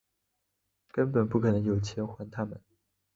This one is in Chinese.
根本不可能有钱还他们